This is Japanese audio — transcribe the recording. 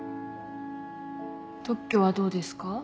特許はどうですか？